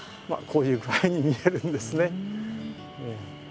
こういう具合に見えるんですね。